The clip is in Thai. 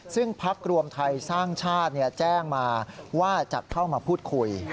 ซึ่งพักรวมไทยสร้างชาติแจ้งมาว่าจะเข้ามาพูดคุย